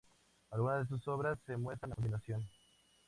Algunas de sus obras se muestran a continuación.